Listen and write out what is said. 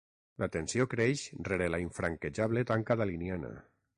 La tensió creix rere la infranquejable tanca daliniana.